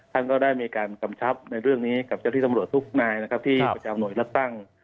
ท่านก็ได้มีการกำชับในเรื่องนี้กับเจ้าที่ตำรวจทุกนายนะครับที่ประจำหน่วยเลือกตั้ง